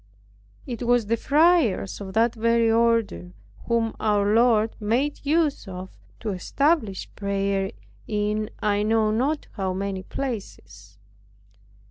It was the friars of the very order whom our Lord made use of to establish prayer in (I know not how) many places.